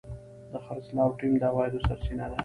د خرڅلاو ټیم د عوایدو سرچینه ده.